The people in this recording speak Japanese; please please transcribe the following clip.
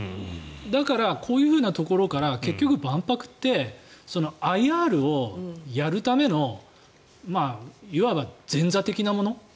だからこういうふうなところから結局、万博ってＩＲをやるためのいわば前座的なもの。